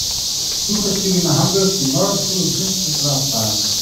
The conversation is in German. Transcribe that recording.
Suche Züge nach Hamburg, die morgen um fünfzehn Uhr abfahren.